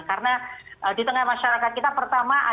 karena di tengah masyarakat kita pertama